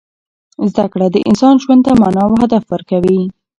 زده کړه د انسان ژوند ته مانا او هدف ورکوي.